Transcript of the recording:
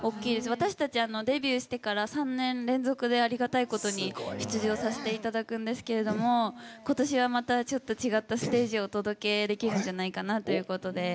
私たち、デビューしてから３年連続でありがたいことに出場させていただくんですが今年は、またちょっと違ったステージをお届けできるんじゃないかなということで。